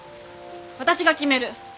私が決める。